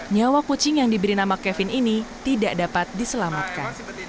nyawa kucing yang diberi nama kevin ini tidak dapat diselamatkan